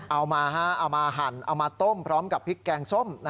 เอามาเอามาหั่นเอามาต้มพร้อมกับพริกแกงส้ม